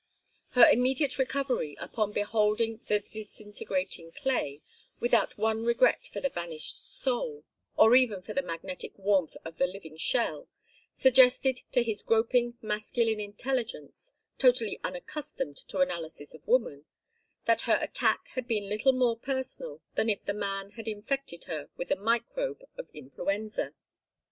Her immediate recovery upon beholding the disintegrating clay, without one regret for the vanished soul, or even for the magnetic warmth of the living shell, suggested to his groping masculine intelligence, totally unaccustomed to analysis of woman, that her attack had been little more personal than if the man had infected her with the microbe of influenza.